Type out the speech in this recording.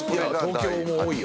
東京も多いよ。